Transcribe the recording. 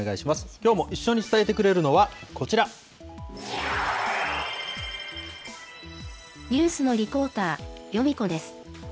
きょうも一緒に伝えてくれるのは、ニュースのリポーター、ヨミ子です。